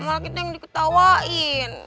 malah kita yang diketawain